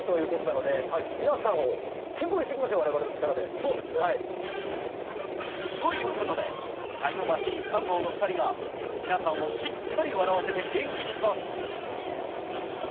我々の力でそうですねということでタイムマシーン３号の２人が皆さんをしっかり笑わせて元気にします！